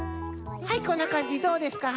はいこんなかんじどうですか？